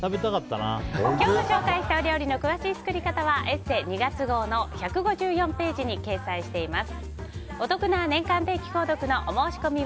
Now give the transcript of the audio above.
今日ご紹介したお料理の詳しい作り方は「ＥＳＳＥ」２月号の１５４ページに掲載しています。